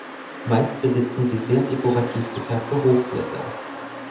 Meist besitzen sie sehr dekorativ gefärbte Hochblätter.